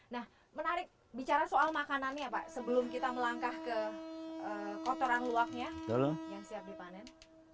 nah menarik bicara soal makanannya pak sebelum kita melangkah ke kotoran luwaknya yang siap dipanen